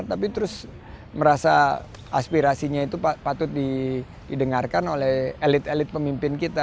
tapi terus merasa aspirasinya itu patut didengarkan oleh elit elit pemimpin kita